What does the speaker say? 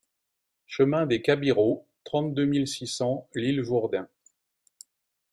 Chemin des Cabirots, trente-deux mille six cents L'Isle-Jourdain